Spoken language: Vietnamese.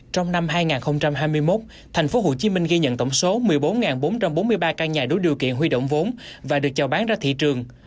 trong năm hai nghìn hai mươi một tp hcm ghi nhận tổng số một mươi bốn bốn trăm bốn mươi ba căn nhà đủ điều kiện huy động vốn và được chào bán ra thị trường